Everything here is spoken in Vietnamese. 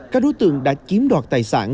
các đối tượng đã chiếm đoạt tài sản